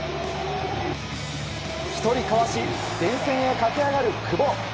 １人かわし前線を駆け上がる久保。